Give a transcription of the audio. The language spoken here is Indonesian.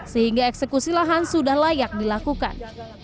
sehingga eksekusi lahan sudah layak dilakukan